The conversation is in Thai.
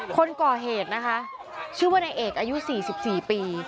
คนก่อเหตุนะคะชื่อว่านายเอกอายุ๔๔ปี